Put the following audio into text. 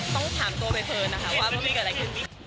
ต้องถามตัวใบเฟิร์นนะคะว่ามันเกิดอะไรขึ้น